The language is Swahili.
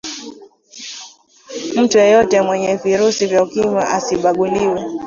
mtu yeyote mwenye virusi vya ukimwi asibaguliwe